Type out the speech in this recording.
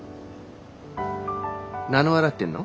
何笑ってんの？